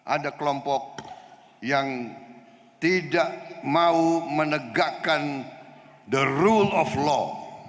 ada kelompok yang tidak mau menegakkan the rule of law